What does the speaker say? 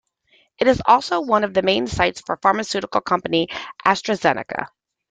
It is also one of the main sites for pharmaceutical company AstraZeneca.